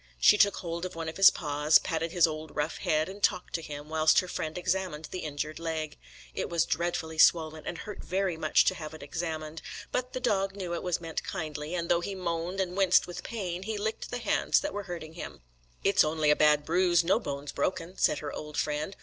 She took hold of one of his paws, patted his old rough head, and talked to him, whilst her friend examined the injured leg. It was dreadfully swollen, and hurt very much to have it examined; but the dog knew it was meant kindly, and though he moaned and winced with pain, he licked the hands that were hurting him. "It's only a bad bruise, no bones are broken," said her old friend.